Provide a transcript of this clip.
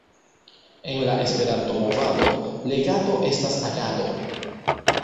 En la Esperanto-movado, legado estas agado!